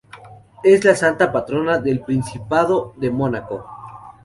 Es la santa patrona del Principado de Mónaco.